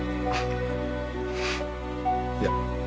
いや。